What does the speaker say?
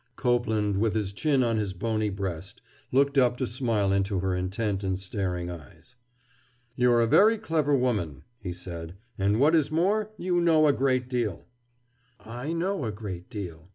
Copeland, with his chin on his bony breast, looked up to smile into her intent and staring eyes. "You are a very clever woman," he said. "And what is more, you know a great deal!" "I know a great deal!"